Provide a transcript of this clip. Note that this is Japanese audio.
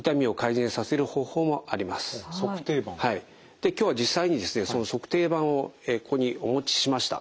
で今日は実際にですねその足底板をここにお持ちしました。